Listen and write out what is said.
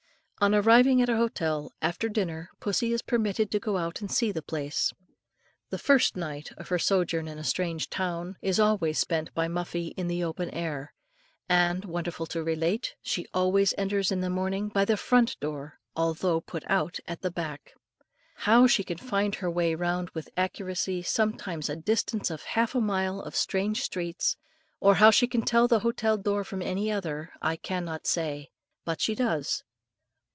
On arriving at an hotel, after dinner pussy is permitted to go out to see the place. The first night of her sojourn in a strange town, is always spent by Muffie in the open air; and, wonderful to relate, she always enters in the morning by the front door, although put out at the back. How she can find her way round with accuracy, sometimes a distance of half a mile of strange streets, or how she can tell the hotel door from any other, I cannot say; but she does.